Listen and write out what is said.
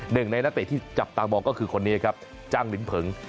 หนึ่งในนักเตะที่จับตามองก็คือคนนี้ครับจ้างลิ้นเผิง